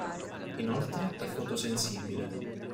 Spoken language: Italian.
Inoltre è fotosensibile.